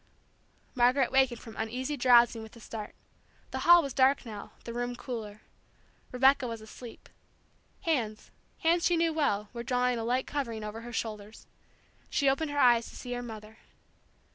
Margaret wakened from uneasy drowsing with a start. The hall was dark now, the room cooler. Rebecca was asleep. Hands, hands she knew well, were drawing a light covering over her shoulders. She opened her eyes to see her mother.